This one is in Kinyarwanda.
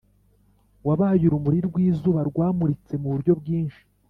wabaye urumuri rw'izuba rwamuritse muburyo bwinshi.